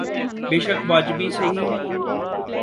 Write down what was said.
بیشک واجبی سہی۔